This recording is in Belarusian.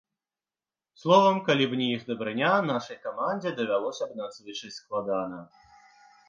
Словам, калі б не іх дабрыня, нашай камандзе давялося б надзвычай складана.